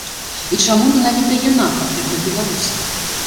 І чаму менавіта яна патрэбна беларусам?